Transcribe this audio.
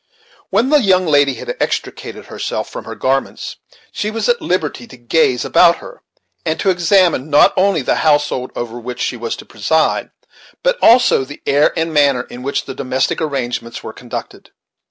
When the young lady had extricated herself from her garments, she was at liberty to gaze about her, and to examine not only the household over which she was to preside, but also the air and manner in which the domestic arrangements were conducted.